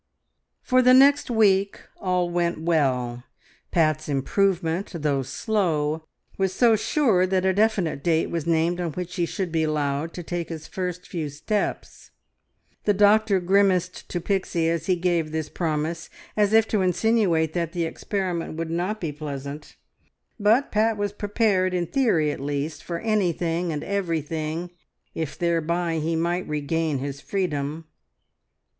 For the next week all went well. Pat's improvement, though slow, was so sure that a definite date was named on which he should be allowed to take his first few steps. The doctor grimaced to Pixie as he gave this promise, as if to insinuate that the experiment would not be pleasant, but Pat was prepared in theory at least for anything and everything, if thereby he might regain his freedom.